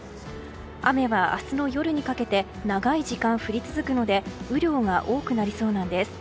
雨は明日の夜にかけて長い時間、降り続くので雨量が多くなりそうなんです。